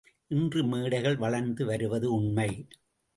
இன்று மேடைகள் வளர்ந்து வருவது உண்மை.